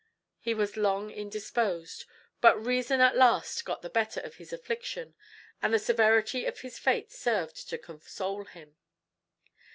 He was long indisposed; but reason at last got the better of his affliction, and the severity of his fate served to console him.